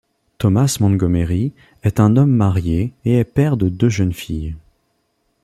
Thomas Montgomery est un homme marié et est père de deux jeunes filles.